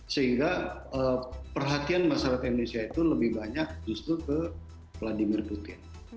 sehingga perhatian masyarakat indonesia itu lebih banyak justru ke vladimir putin